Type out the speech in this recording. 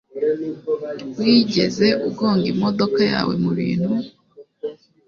Wigeze ugonga imodoka yawe mubintu?